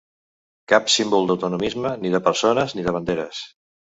Cap símbol d’autonomisme, ni de persones ni de banderes.